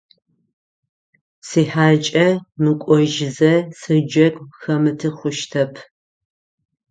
Сихьакӏэ мыкӏожьзэ сиджэгу хэмыты хъущтэп.